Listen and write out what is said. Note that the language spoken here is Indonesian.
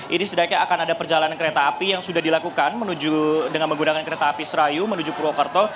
ini sedaiknya akan ada perjalanan kereta api yang sudah dilakukan dengan menggunakan kereta api serayu menuju purwokerto